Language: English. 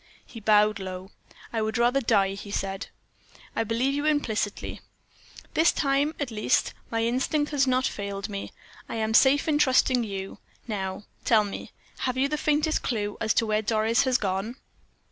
He bowed low. "I would rather die," he said. "I believe you implicitly. This time, at least, my instinct has not failed me I am safe in trusting you. Now, tell me, have you the faintest clew as to where Doris has gone?"